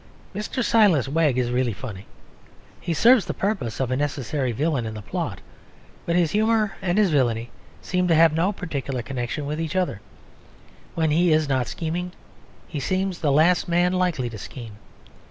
Mr. Silas Wegg is really funny; and he serves the purpose of a necessary villain in the plot. But his humour and his villainy seem to have no particular connection with each other; when he is not scheming he seems the last man likely to scheme.